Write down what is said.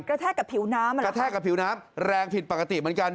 กระแทกกับผิวน้ำเหรอครับแรงผิดปกติเหมือนกัน